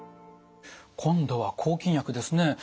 今度は抗菌薬ですね。